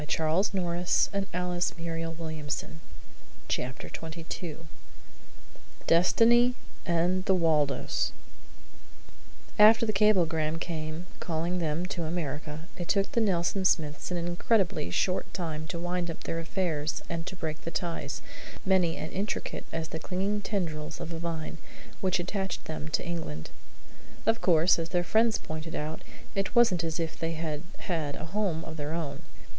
The curtains were drawn closely, and the window was shut. CHAPTER XXII DESTINY AND THE WALDOS After the cablegram came, calling them to America, it took the Nelson Smiths an incredibly short time to wind up their affairs and to break the ties many and intricate as the clinging tendrils of a vine which attached them to England. Of course, as their friends pointed out, it wasn't as if they had had a home of their own.